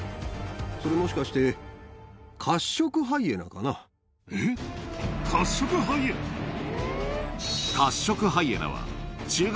それ、もしかしてカッショクハイエナかな。